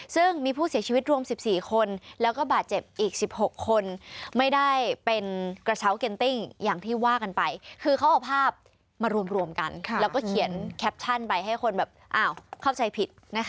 ซึ่งมีผู้เสียชีวิตรวม๑๔คนแล้วก็บาดเจ็บอีก๑๖คนไม่ได้เป็นกระเช้าเก็นติ้งอย่างที่ว่ากันไป